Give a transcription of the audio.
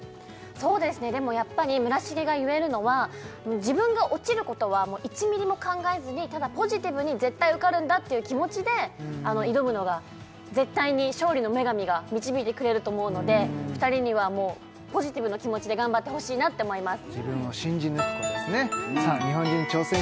そうですねでもやっぱり村重が言えるのは自分が落ちることは１ミリも考えずにただポジティブに絶対受かるんだっていう気持ちで挑むのが絶対に勝利の女神が導いてくれると思うので２人にはもうポジティブの気持ちで頑張ってほしいなって思います